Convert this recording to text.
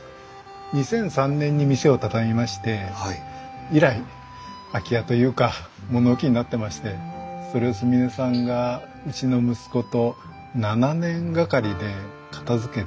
２００３年に店を畳みまして以来空き家というか物置になってましてそれを純音さんがうちの息子と７年がかりで片づけて。